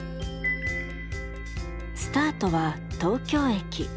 スタートは東京駅。